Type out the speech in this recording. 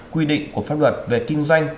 quy định của pháp luật về kinh doanh